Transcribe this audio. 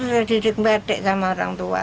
saya sudah didik batik sama orang tua